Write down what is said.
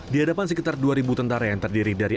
di hadapan sekitar dua tentara yang terdiri dari